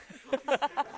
ハハハ。